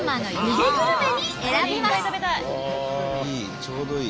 ちょうどいい。